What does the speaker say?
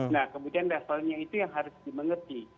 nah kemudian levelnya itu yang harus dimengerti